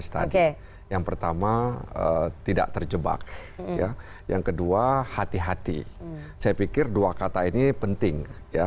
tadi yang pertama tidak terjebak ya yang kedua hati hati saya pikir dua kata ini penting ya